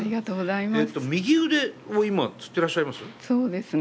右腕を今つってらっしゃいます？